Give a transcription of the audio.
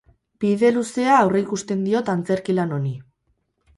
Bide luzea aurreikusten diot antzerki lan honi.